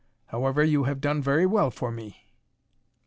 However, you have done very well for me."